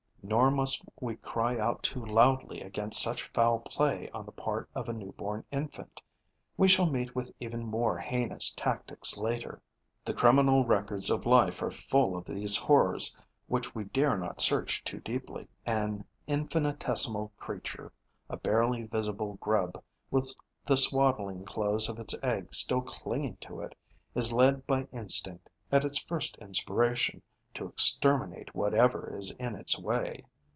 Nor must we cry out too loudly against such foul play on the part of a new born infant: we shall meet with even more heinous tactics later. The criminal records of life are full of these horrors which we dare not search too deeply. An infinitesimal creature, a barely visible grub, with the swaddling clothes of its egg still clinging to it, is led by instinct, at its first inspiration, to exterminate whatever is in its way.